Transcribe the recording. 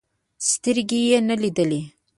سترګې يې نه لیدلې.